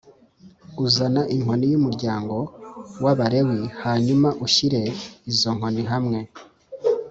uzana inkoni y umuryango w Abalewi Hanyuma ushyire izo nkoni hamwe